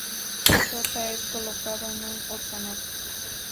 Shota es colocado en un orfanato.